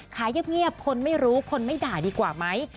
ขายเงียบคนไม่รู้คนไม่ด่าดีกว่าไหม